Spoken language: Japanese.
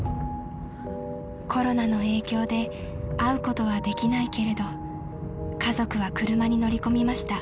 ［コロナの影響で会うことはできないけれど家族は車に乗り込みました］